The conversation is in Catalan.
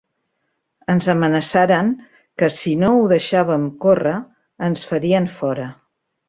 Ens amenaçaren que, si no ho deixàvem córrer, ens farien fora.